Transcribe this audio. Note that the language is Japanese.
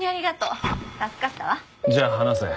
じゃあ話せ。